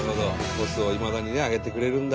トスをいまだにねあげてくれるんだ。